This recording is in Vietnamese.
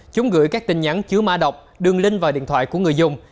chúng gửi các tin nhắn chứa ma độc đường link vào điện thoại của người dùng